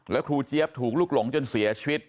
แล้วครูเจี๊ยบถูกลุกหลงจนเสียชีวิต